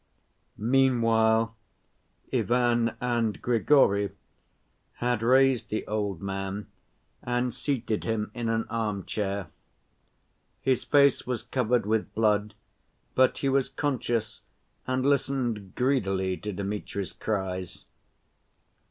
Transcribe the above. Meanwhile Ivan and Grigory had raised the old man and seated him in an arm‐chair. His face was covered with blood, but he was conscious and listened greedily to Dmitri's cries.